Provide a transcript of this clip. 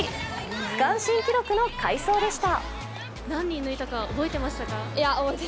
区間新記録の快走でした。